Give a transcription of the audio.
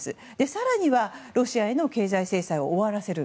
更にはロシアへの経済制裁を終わらせる。